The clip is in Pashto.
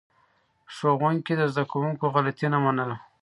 ښوونکي د زده کوونکو غلطي نه منله.